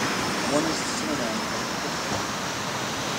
One is a synonym of the Hook Turn.